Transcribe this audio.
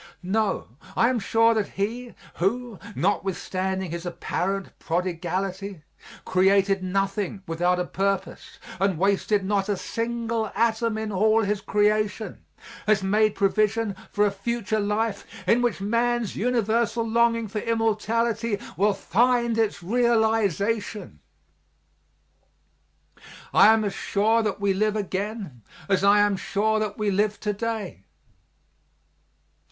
No, I am sure that He who, notwithstanding his apparent prodigality, created nothing without a purpose, and wasted not a single atom in all his creation, has made provision for a future life in which man's universal longing for immortality will find its realization. I am as sure that we live again as I am sure that we live to day.